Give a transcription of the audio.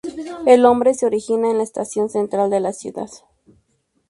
El nombre se origina en la Estación Central de la ciudad.